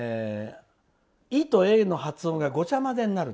「い」と「え」の発音がごちゃ混ぜになる。